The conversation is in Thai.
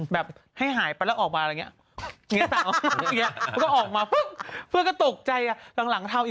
แบบให้หายไปแล้วออกมาเรื่องนี้